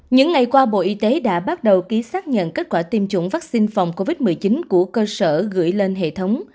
những ngày qua bộ y tế đã bắt đầu ký xác nhận kết quả tiêm chủng vaccine phòng covid một mươi chín của cơ sở gửi lên hệ thống